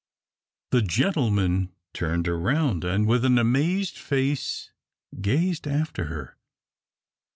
The gentleman turned around, and with an amazed face gazed after her.